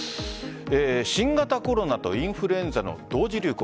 新型コロナとインフルエンザの同時流行。